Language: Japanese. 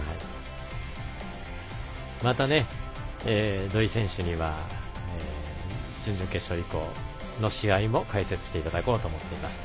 また、土居選手には準々決勝以降の試合も解説していただこうと思っています。